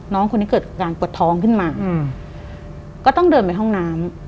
น้องคนนี้เกิดการปวดท้องขึ้นมาก็ต้องเดินไปห้องน้ำ